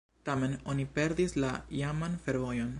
Tamen oni perdis la iaman fervojon.